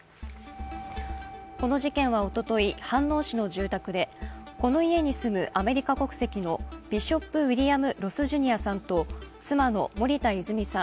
この事件はおととい、飯能市の住宅でこの家に住むアメリカ国籍のビショップ・ウィリアム・ロス・ジュニアさんと妻の森田泉さん